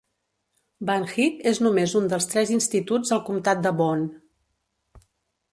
Van High és només un dels tres instituts al comtat de Boone.